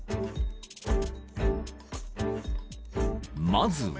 ［まずは］